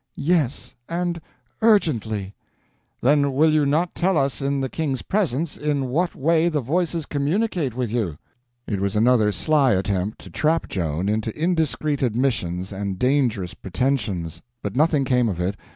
"Yes, and urgently." "Then will you not tell us in the King's presence in what way the Voices communicate with you?" It was another sly attempt to trap Joan into indiscreet admissions and dangerous pretensions. But nothing came of it.